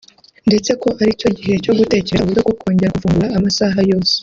ndetse ko ari cyo gihe cyo gutekereza uburyo bwo kongera kuwufungura amasaha yose